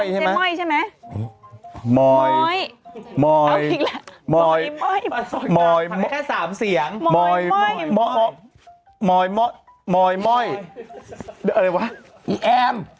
ผมไม่มีปัญหา